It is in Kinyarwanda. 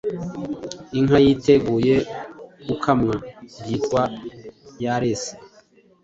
Inka yiteguye gukamwa byitwa Yarese